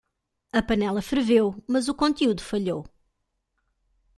A panela ferveu, mas o conteúdo falhou.